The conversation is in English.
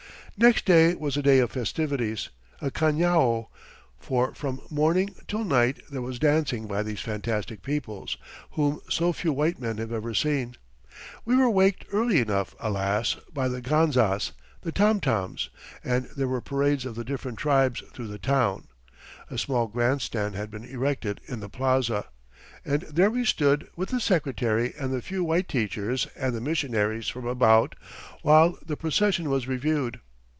Next day was a day of festivities, a cañao, for from morning till night there was dancing by these fantastic peoples, whom so few white men have ever seen. We were waked early enough, alas! by the ganzas the tom toms and there were parades of the different tribes through the town. A small grandstand had been erected in the plaza, and there we stood with the Secretary and the few white teachers and the missionaries from about, while the procession was reviewed.